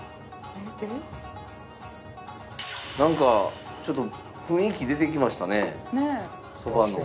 なんかちょっと雰囲気出てきましたねそばの。